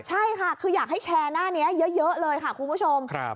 ใช่ค่ะคืออยากให้แชร์หน้านี้เยอะเลยค่ะคุณผู้ชม